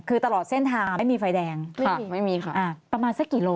คือตลอดเส้นทางไม่มีไฟแดงไม่มีไม่มีค่ะอ่าประมาณสักกี่โล